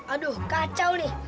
aduh kacau nih